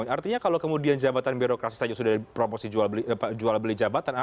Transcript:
artinya kalau kemudian jabatan birokrasi saja sudah dipromosi jual beli jabatan